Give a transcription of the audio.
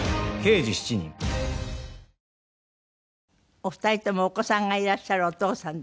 お二人ともお子さんがいらっしゃるお父さんで。